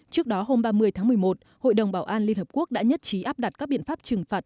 trước đó hôm ba mươi tháng một mươi một hội đồng bảo an liên hợp quốc đã nhất trí áp đặt các biện pháp trừng phạt